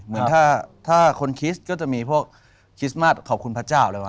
เหมือนถ้าคนคิดก็จะมีพวกคริสต์มัสขอบคุณพระเจ้าเลยวะ